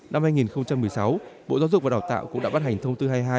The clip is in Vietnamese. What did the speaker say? năm hai nghìn một mươi sáu bộ giáo dục và đào tạo cũng đã bắt hành thông tư hai mươi hai